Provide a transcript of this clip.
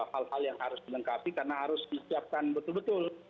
hal hal yang harus dilengkapi karena harus disiapkan betul betul